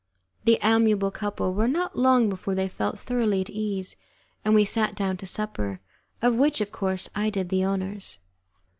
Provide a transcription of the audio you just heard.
The amiable couple were not long before they felt thoroughly at ease, and we sat down to supper, of which, of course, I did the honours.